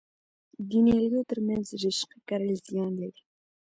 د نیالګیو ترمنځ رشقه کرل زیان لري؟